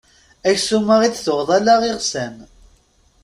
Aksum-a i d-tuɣeḍ ala iɣsan.